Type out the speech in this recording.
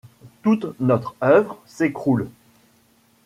Toute notre oeuvre s'écroule